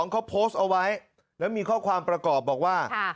เขาโพสต์เอาไว้แล้วมีข้อความประกอบบอกว่า